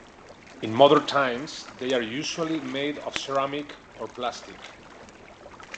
In modern times, they are usually made of ceramic or plastic.